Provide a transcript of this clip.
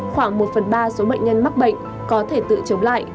khoảng một phần ba số bệnh nhân mắc bệnh có thể tự chống lại